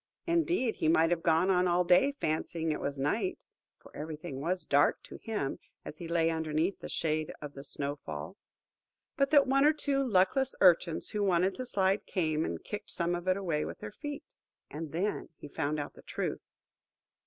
Indeed, he might have gone on all day, fancying it was night (for everything was dark to him, as he lay underneath in the shade of the snow fall), but that one or two luckless urchins, who wanted to slide, came and kicked some of it away with their feet. And then he found out the truth.